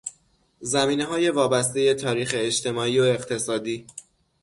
زمینههای وابستهی تاریخ اجتماعی و اقتصادی